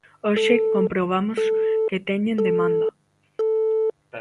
Hoxe comprobamos que teñen demanda.